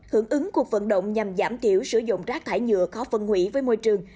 hưởng ứng cuộc vận động nhằm giảm thiểu sử dụng rác thải nhựa khó phân hủy với môi trường